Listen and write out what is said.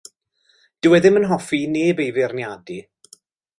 Dyw e ddim yn hoffi i neb ei feirniadu.